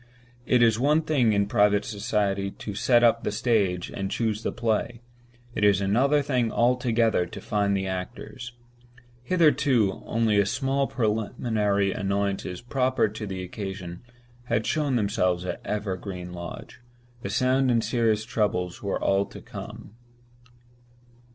It is one thing in private society to set up the stage and choose the play—it is another thing altogether to find the actors. Hitherto, only the small preliminary annoyances proper to the occasion had shown themselves at Evergreen Lodge. The sound and serious troubles were all to come.